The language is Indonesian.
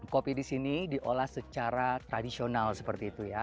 kopi di sini diolah secara tradisional seperti itu ya